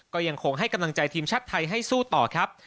ก็ยังคงให้กำลังใจทีมชาติไทยให้สู้ต่อครับ